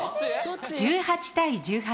１８対１８。